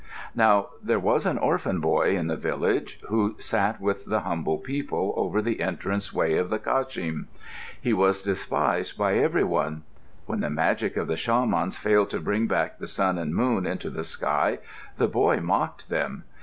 Now there was an orphan boy in the village who sat with the humble people over the entrance way of the kashim. He was despised by every one. When the magic of the shamans failed to bring back the sun and moon into the sky the boy mocked them.